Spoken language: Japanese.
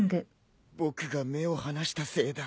僕が目を離したせいだ。